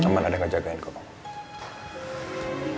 teman ada yang ngejagain kok